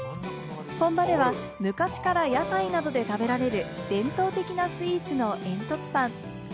本場では、昔から屋台などで食べられる伝統的なスイーツの煙突パン。